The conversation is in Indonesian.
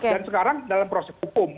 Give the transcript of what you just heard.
dan sekarang dalam proses hukum